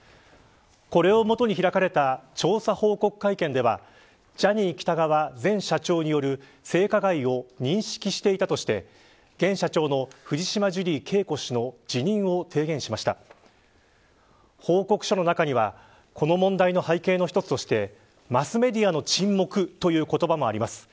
これをもとに開かれた調査報告会見ではジャニー喜多川前社長による性加害を認識していたとして現社長の藤島ジュリー景子氏の辞任を提言しました報告書の中にはこの問題の背景の一つとしてマスメディアの沈黙という言葉もあります。